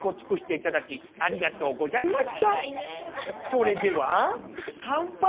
それでは乾杯！